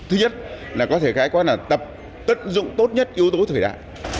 thứ nhất là có thể khai quát là tập tận dụng tốt nhất yếu tố thời đại